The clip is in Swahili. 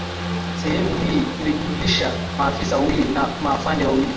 Sehemu hii ilijumlisha maafisa wawili na maafande wawili